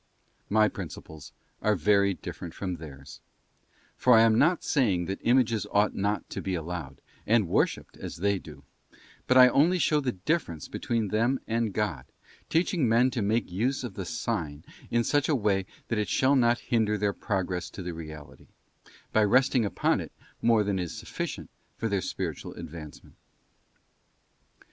My principles are very different from theirs; for I am not saying that Images ought not to be allowed, and worshipped, as they do; but I only show the difference between them and God, teaching men to make use of the sign in such a way as that it shall not hinder their progress to the reality, by resting upon it more than is sufficient for their spiritual advancement.